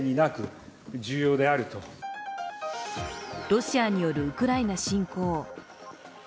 ロシアによるウクライナ侵攻。